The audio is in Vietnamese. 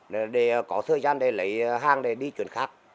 để có thời gian để lấy hàng để đi chuyển khác